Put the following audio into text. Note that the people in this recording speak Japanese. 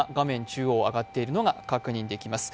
中央上がっているのが確認できます。